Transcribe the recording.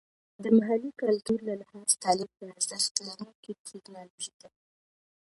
د محلي کلتور له لحاظه تعلیم د ارزښت لرونکې ټیکنالوژي ده.